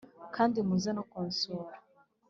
kandi muze no kunsura